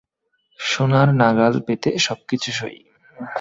সোনার নাগাল পেতে সবকিছু সই।